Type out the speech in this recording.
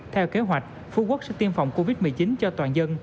theo kế hoạch phú quốc sẽ tiêm phòng covid một mươi chín cho toàn dân